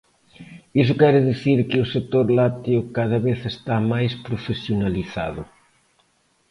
Iso quere dicir que o sector lácteo cada vez está máis profesionalizado.